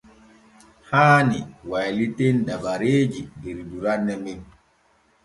Haani wayliten dabareeji der duranne men.